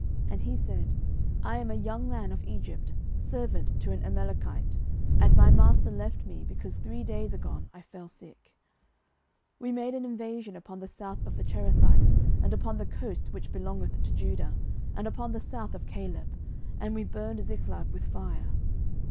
And he said, I am a young man of Egypt, servant to an Amalekite; and my master left me, because three days agone I fell sick. 09:030:014 We made an invasion upon the south of the Cherethites, and upon the coast which belongeth to Judah, and upon the south of Caleb; and we burned Ziklag with fire.